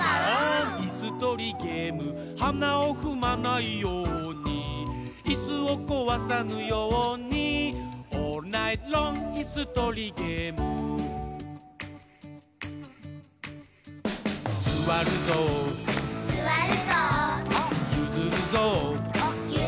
いすとりゲーム」「はなをふまないように」「いすをこわさぬように」「オールナイトロングいすとりゲーム」「すわるぞう」「ゆずるぞう」